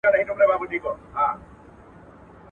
له لمبو يې تر آسمانه تلل دودونه!